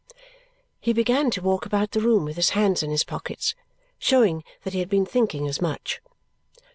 He began to walk about the room with his hands in his pockets, showing that he had been thinking as much.